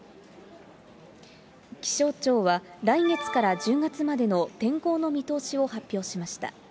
気象庁は来月から１０月までの天候の見通しを発表しました。